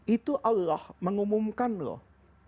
itu allah mengumumkan loh